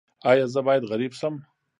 ایا زه باید غریب شم؟